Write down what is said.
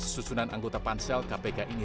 susunan anggota pansel kpk ini